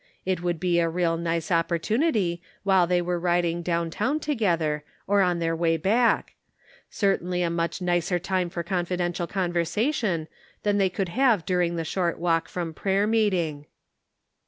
It would be a real nice opportunity, while they were riding down town together, or on their way back; certainly a much nicer time for confidential conversation than they could have during the short walk from prayer meeting.